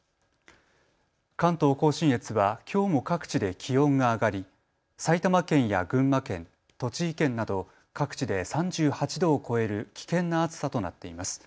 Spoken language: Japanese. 関東甲信越はきょうも各地で気温が上がり埼玉県や群馬県、栃木県など各地で３８度を超える危険な暑さとなっています。